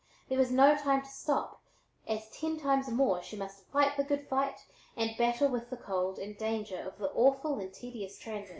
There was no time to stop, as ten times more she must fight the good fight and battle with the cold and danger of the awful and tedious transit.